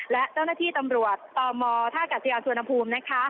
และเจ้าหน้าที่ตำรวจตมท่ากัศยานสุวรรณภูมินะคะ